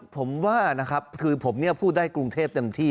ผมว่านะครับคือผมพูดได้กรุงเทพเต็มที่